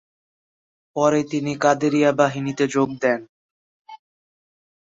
পরে তিনি কাদেরিয়া বাহিনীতে যোগ দেন।